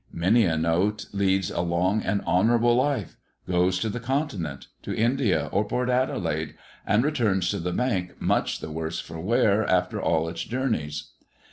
Many a note leads a long and honourable life; goes to the Continent, to India, or Port Adelaide; and returns to the Bank much the worse for wear after all its journeys.